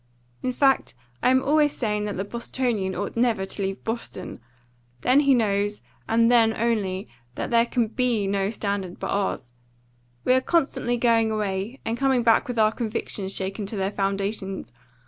"In fact I am always saying that the Bostonian ought never to leave Boston. Then he knows and then only that there can BE no standard but ours. But we are constantly going away, and coming back with our convictions shaken to their foundations.